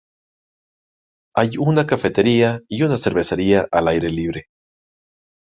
Hay una cafetería y una cervecería al aire libre.